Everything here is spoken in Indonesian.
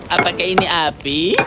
apakah ini api